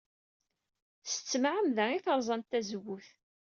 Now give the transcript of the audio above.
S tmeɛmada ay terẓamt tazewwut.